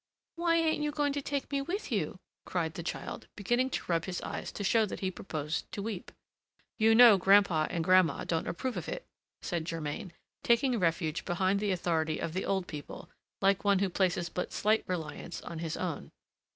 "Why, ain't you going to take me with you?" cried the child, beginning to rub his eyes to show that he proposed to weep. "You know grandpa and grandma don't approve of it," said Germain, taking refuge behind the authority of the old people, like one who places but slight reliance on his own.